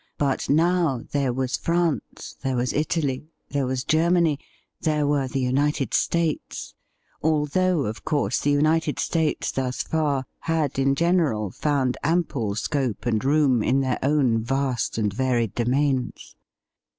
But now there was France — there was Italy — there was Germany — there were the United States — although, of course, the United States thus far had in general found ample scope and room in their own vast and varied domains.